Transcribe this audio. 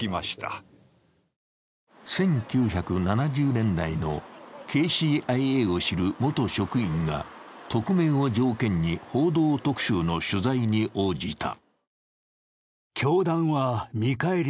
１９７０年代のＫＣＩＡを知る元職員が匿名を条件に「報道特集」の取材に応じた。